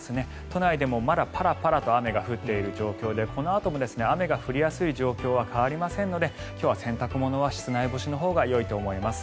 都内でもまだパラパラと雨が降っている状況でこのあとも雨が降りやすい状況は変わりませんので今日は洗濯物は室内干しのほうがよいと思います。